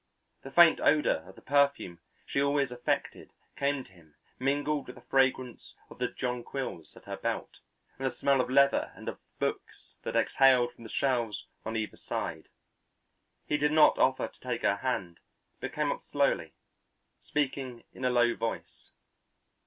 The faint odour of the perfume she always affected came to him mingled with the fragrance of the jonquils at her belt and the smell of leather and of books that exhaled from the shelves on either side. He did not offer to take her hand, but came up slowly, speaking in a low voice.